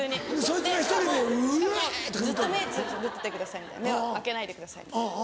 ずっと目つぶっててください目を開けないでくださいみたいな。